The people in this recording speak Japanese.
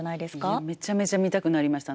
いやめちゃめちゃ見たくなりました。